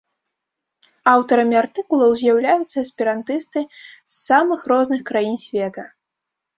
Аўтарамі артыкулаў з'яўляюцца эсперантысты з самых розных краін света.